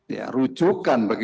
ya rujukan bagi